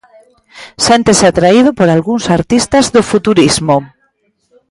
Séntese atraído por algúns artistas do futurismo.